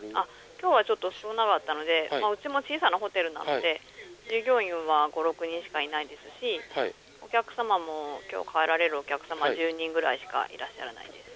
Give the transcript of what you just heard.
今日は少なかったのでうちも小さなホテルなので従業員は５６人しかいないですしお客様も今日帰られるお客様１０人くらいしかいらっしゃらないです。